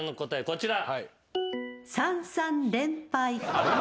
こちら。